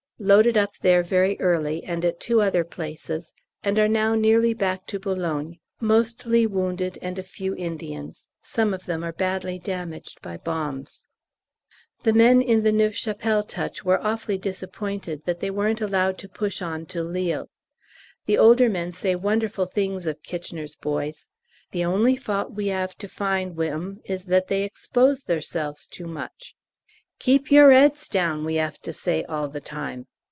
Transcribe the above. Loaded up there very early and at two other places, and are now nearly back to Boulogne, mostly wounded and a few Indians; some of them are badly damaged by bombs. The men in the Neuve Chapelle touch were awfully disappointed that they weren't allowed to push on to Lille. The older men say wonderful things of K.'s boys: "The only fault we 'ave to find wi' 'em is that they expose theirselves too much. 'Keep your 'eads down!' we 'ave to say all the time.